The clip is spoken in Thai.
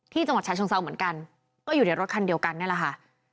จังหวัดฉะเชิงเซาเหมือนกันก็อยู่ในรถคันเดียวกันนี่แหละค่ะ